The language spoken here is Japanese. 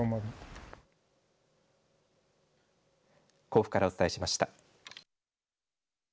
甲府からお伝えしました。